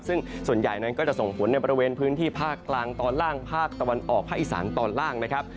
ซึ่งส่วนใหญ่นั้นก็จะส่งผลในบริเวณพื้นที่ภาคกลางตอนล่างภาคตะวันออกภาคอีสานตอนล่างนะครับ